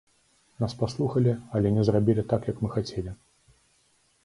Нас паслухалі, але не зрабілі так, як мы хацелі.